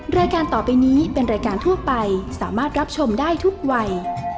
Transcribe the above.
รายการต่อไปนี้เป็นรายการทั่วไปสามารถรับชมได้ทุกวัย